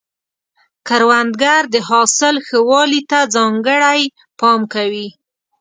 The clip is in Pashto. کروندګر د حاصل ښه والي ته ځانګړی پام کوي